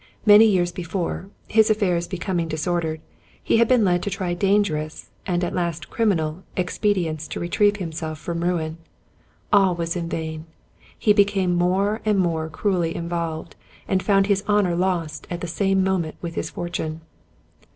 Many years before, his aflFairs becoming disordered, he had been led to try dan gerous, and at last criminal, expedients to retrieve himself from ruin. All was in vain; he became more and more cruelly involved, and found his .honor lost at the same mo ment with his fortune.